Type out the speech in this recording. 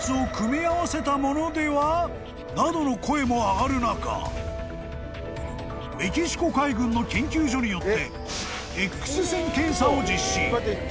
［などの声も上がる中メキシコ海軍の研究所によって］